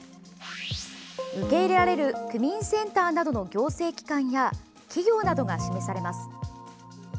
受け入れられる区民センターなどの行政機関や企業などが示されます。